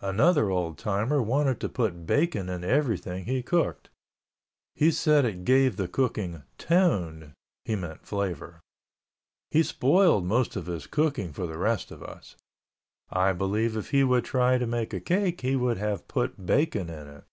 Another old timer wanted to put bacon in everything he cooked. He said it gave the cooking "tone" (he meant flavor). He spoiled most of his cooking for the rest of us. I believe if he would try to make a cake he would have put bacon in it.